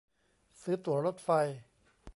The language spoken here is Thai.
ซื้อตั๋วรถไฟ